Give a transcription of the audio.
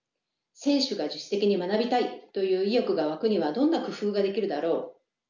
選手が自主的に学びたいという意欲が湧くにはどんな工夫ができるだろう？